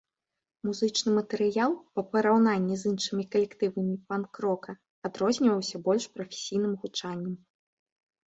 Музычны матэрыял па параўнанні з іншымі калектывамі панк-рока адрозніваўся больш прафесійным гучаннем.